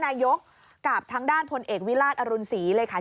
นายกกับทางด้านพลเอกวิราชอรุณศรีเลยค่ะ